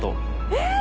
えっ！